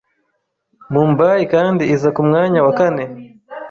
Mumbai kandi iza ku mwanya wa kane